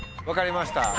分かりました。